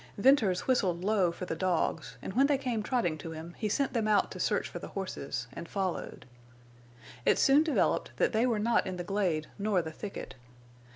Venters whistled low for the dogs, and when they came trotting to him he sent them out to search for the horses, and followed. It soon developed that they were not in the glade nor the thicket.